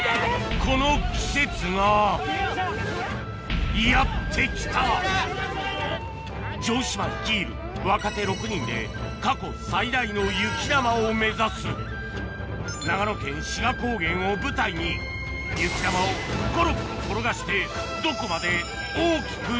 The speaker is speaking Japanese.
この季節がやって来た城島率いる若手６人で過去最大の雪玉を目指す長野県志賀高原を舞台に果たして？